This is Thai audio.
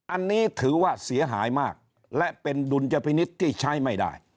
อันนี้ถือว่าเสียหายมากและเป็นดุลยพินิษฐ์ที่ใช้ไม่ได้